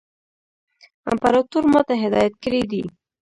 امپراطور ما ته هدایت کړی دی.